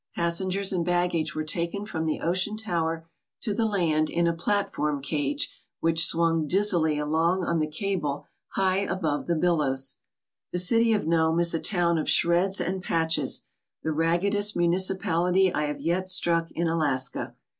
Passengers and baggage were taken from the ocean tower to the land in a platform cage which swung dizzily along on the cable high above the billows. The city of Nome is a town of shreds and patches, the raggedest municipality I have yet struck in Alaska.